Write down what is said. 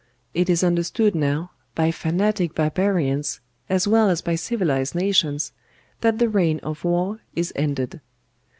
It is understood now, by fanatic barbarians as well as by civilised nations, that the reign of War is ended.